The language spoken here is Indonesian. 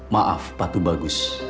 maaf patu bagus